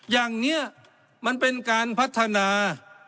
อย่างนี้มันเป็นการพัฒนา